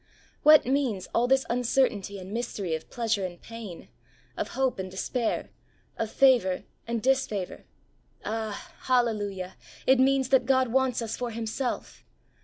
What means all this uncertainty and mystery of pleasure and pain, of hope and despair, of favour and disfavour? Ah, hallelujah I it means that God wants us for Himself.